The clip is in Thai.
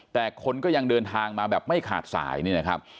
แต่คนก็ยังเดินทางมาแบบไม่ขาดสายนี่นะครับ